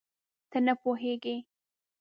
ته نه پوهېږې؟